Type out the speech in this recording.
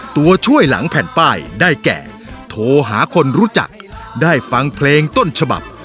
ตัวช่วยหลังแผ่นป้ายได้แก่โทรหาคนรู้จักได้ฟังเพลงต้นฉบับ